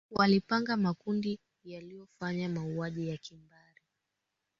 walipanga makundi yaliyofanya mauaji ya kimbari